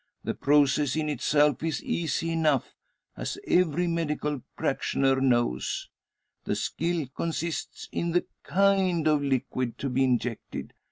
The process in itself is easy enough, as every medical practitioner knows. The skill consists in the kind of liquid to be injected.